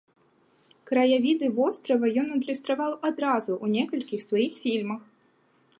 Краявіды вострава ён адлюстраваў адразу ў некалькіх сваіх фільмах.